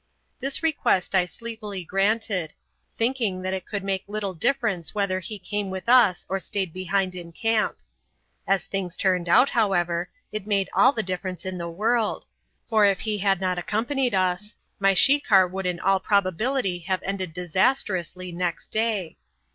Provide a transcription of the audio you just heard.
This request I sleepily granted, thinking that it could make little difference whether he came with us or stayed behind in camp. As things turned out, however, it made all the difference in the world, for if he had not accompanied us, my shikar would in all probability have ended disastrously next day.